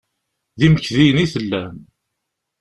D imekdiyen i tellam.